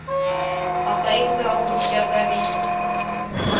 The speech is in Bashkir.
Атайың да ауырып ята бит!